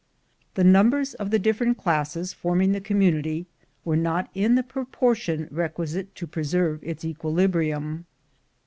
The numbers of the different classes forming the community were not in the proportion requisite to preserve its equilibrium.